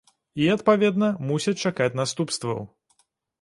І, адпаведна, мусяць чакаць наступстваў.